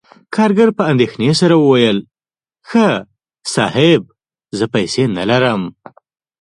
کارګر په اندیښنې وویل: "ښه، صاحب، زه پیسې نلرم..."